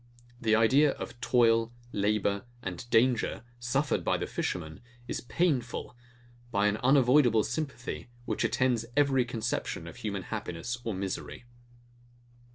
The idea of toil, labour, and danger, suffered by the fishermen, is painful; by an unavoidable sympathy, which attends every conception of human happiness or misery.